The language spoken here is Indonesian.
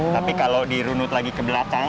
tapi kalau dirunut lagi ke belakang